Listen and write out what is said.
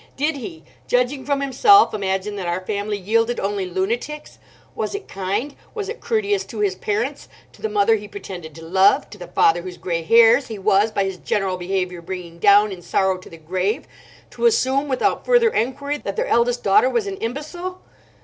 Did he, judging from himself, imagine that our family yielded only lunatics? Was it kind—was it courteous to his parents, to the mother he pretended to love, to the father whose grey hairs he was by his general behaviour bringing down in sorrow to the grave—to assume without further enquiry that their eldest daughter was an imbecile?